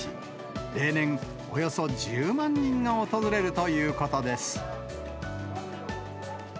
例年、およそ１０万人が訪れるということです。